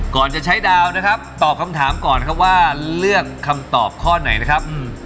ก่อนจะใช้ดาวนะครับตอบคำถามก่อนครับว่าเลือกคำตอบข้อไหนนะครับ